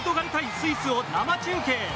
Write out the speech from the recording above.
スイスを生中継。